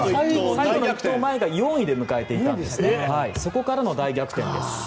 最後の一投までが４位で迎えていたんですがそこからの大逆転です。